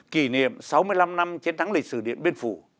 kỷ niệm sáu mươi năm năm chiến thắng lịch sử điện biên phủ